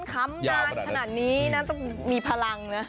คำนานขนาดนี้นะต้องมีพลังนะ